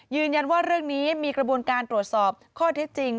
ยืนยันว่าเรื่องนี้มีกระบวนการตรวจสอบข้อเท็จจริง